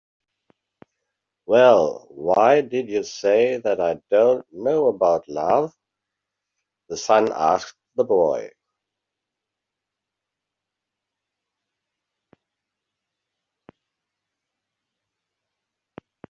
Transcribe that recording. "Well, why did you say that I don't know about love?" the sun asked the boy.